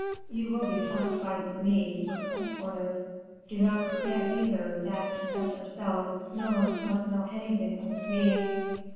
"You will be satisfied with me," replied Porthos. "Do not forget, either, that, except ourselves, no one must know anything of this meeting."